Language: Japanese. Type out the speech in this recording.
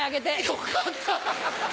よかった！